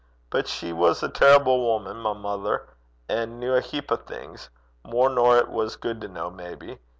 But she was a terrible wuman, my mither, an' kent a heap o' things mair nor 'twas gude to ken, maybe.